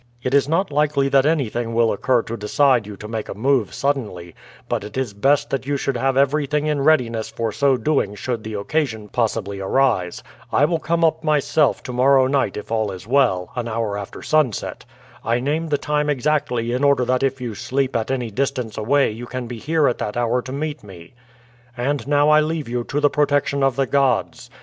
It is not likely that anything will occur to decide you to make a move suddenly, but it is best that you should have everything in readiness for so doing should the occasion possibly arise. I will come up myself to morrow night if all is well, an hour after sunset. I name the time exactly in order that if you sleep at any distance away you can be here at that hour to meet me; and now I leave you to the protection of the gods.